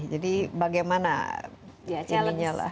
jadi bagaimana ini lah